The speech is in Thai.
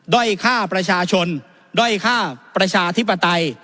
ด้อยฆ่าประชาชนด้อยฆ่าประชาธิปไตย